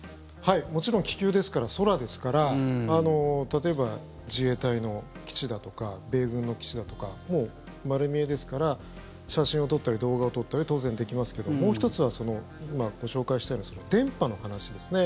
もちろん気球ですから空ですから例えば、自衛隊の基地だとか米軍の基地だとか丸見えですから写真を撮ったり動画を撮ったり当然できますけどもう１つは今、ご紹介したような電波の話ですね。